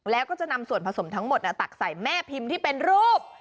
แล้วก็จะนำส่วนผสมทั้งหมดตักใส่แม่พิมพ์ที่เป็นรูป